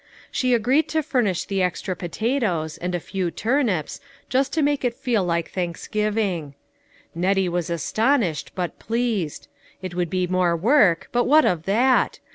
She agreed to furnish the extra potatoes, and a few turnips, just to make it feel like Thanksgiv ing. Nettie was astonished, but pleased. It would be more work, but what of that